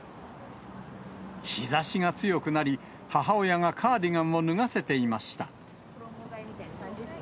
日ざしが強くなり、母親がカーディガンを脱がせていました。